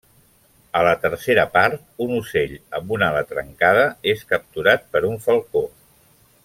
A la tercera part, un ocell amb una ala trencada és capturat per un falcó.